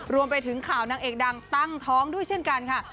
รวมไปถึงข่าวนางเอกดังตั้งท้องด้วยเช่นกันค่ะ